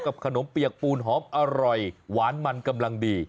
ขนมเปียกปูนหอมอร่อยหวานมันกำลังดี